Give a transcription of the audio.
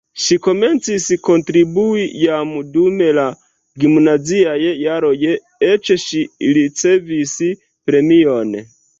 Ŝi komencis kontribui jam dum la gimnaziaj jaroj, eĉ ŝi ricevis premion.